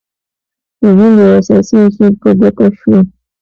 د ژوند يو اساسي اصول په ګوته شوی.